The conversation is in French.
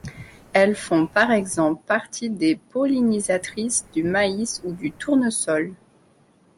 Elles font par exemple partie des pollinisatrices du maïs ou du tournesol.